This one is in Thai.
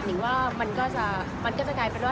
นิ่งว่ามันก็จะกลายเป็นว่า